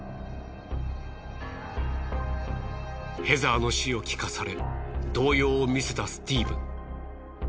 ヘザーの死を聞かされ動揺を見せたスティーブン。